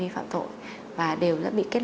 những thành phố trăng dây giờ đã bình yên sau dịch